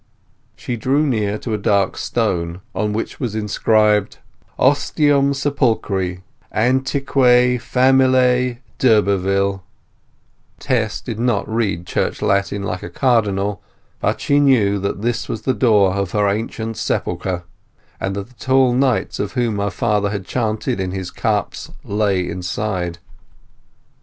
She drew near to a dark stone on which was inscribed: OSTIUM SEPULCHRI ANTIQUAE FAMILIAE D'URBERVILLE Tess did not read Church Latin like a Cardinal, but she knew that this was the door of her ancestral sepulchre, and that the tall knights of whom her father had chanted in his cups lay inside.